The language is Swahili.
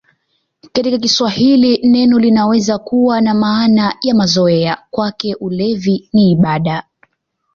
Katika Kiswahili neno linaweza kuwa na maana ya mazoea: "Kwake ulevi ni ibada".